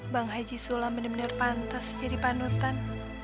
bang haji sulam bener bener pantas jadi panutan